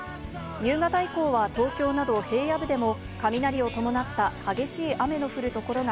夕方以降は東京など平野部でも雷を伴った激しい雨の降るところが